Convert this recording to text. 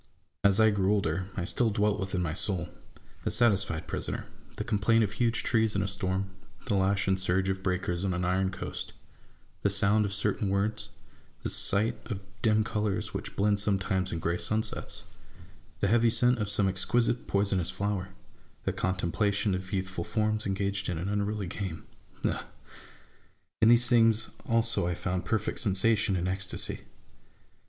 As I grew older, 1 still dwelt within my soul, a satisfied prisoner : the complaint of huge trees in a storm ; the lash and surge of breakers on an iron coast; the sound of certain words; the sight of dim colours which blend sometimes in gray sunsets ; the heavy scent of some exquisite poisonous flower; a contemplation of youthful forms engaged in an unruly game ;— ah ! in these things also I found perfect sensation and ecstacy.